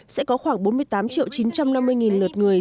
sẽ có khoảng bốn mươi tám triệu chín trăm năm mươi lượt người